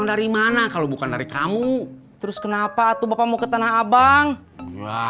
sampai jumpa di video selanjutnya